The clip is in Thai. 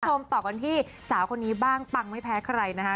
ต่อกันที่สาวคนนี้บ้างปังไม่แพ้ใครนะคะ